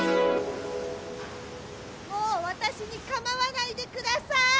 もう私に構わないでください。